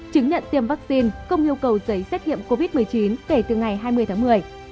chứng nhận tiêm vaccine không yêu cầu giấy xét nghiệm covid một mươi chín kể từ ngày hai mươi tháng một mươi